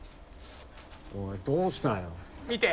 おいどうしたよ？